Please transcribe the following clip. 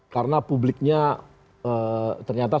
karena publiknya ternyata